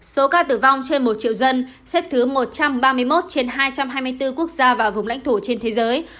số ca tử vong trên một triệu dân xếp thứ một trăm ba mươi một trên hai trăm hai mươi bốn quốc gia và vùng lãnh thổ trên thế giới